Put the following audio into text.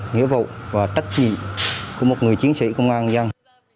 nghĩa vụ và tác nhị của một người chiến sĩ công an